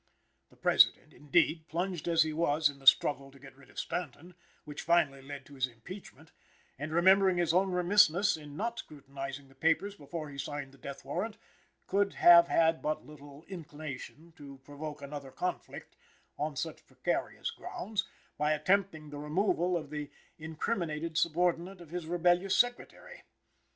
The President, indeed, plunged as he was in the struggle to get rid of Stanton, which finally led to his impeachment, and remembering his own remissness in not scrutinizing the papers before he signed the death warrant, could have had but little inclination to provoke another conflict, on such precarious grounds, by attempting the removal of the incriminated subordinate of his rebellious Secretary.